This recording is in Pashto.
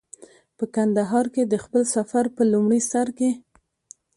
په کندهار کې د خپل سفر په لومړي سر کې.